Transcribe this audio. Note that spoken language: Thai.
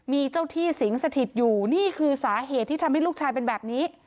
มีเจ้าที่สิงสถิตอยู่นี่คือสาเหตุที่ทำให้ลูกชายเป็นแบบนี้